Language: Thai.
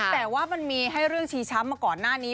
แต่ว่ามันมีให้เรื่องชี้ช้ำมาก่อนหน้านี้